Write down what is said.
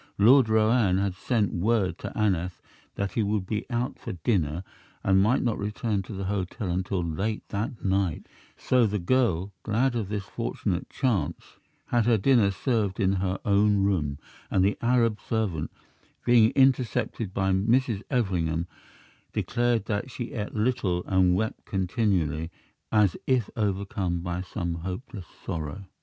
Lord Roane had sent word to Aneth that he would be out for dinner and might not return to the hotel until late that night; so the girl, glad of this fortunate chance, had her dinner served in her own room, and the Arab servant, being intercepted by Mrs. Everingham, declared that she ate little and wept continually, as if overcome by some hopeless sorrow.